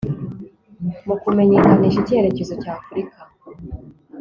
mu kumenyekanisha icyerekezo cy afurika